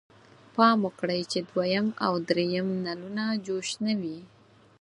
پام وکړئ چې دویم او دریم نلونه جوش نه وي.